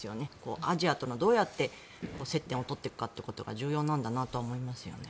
アジアとの、どうやって接点を取っていくかが重要なんだなって思いますよね。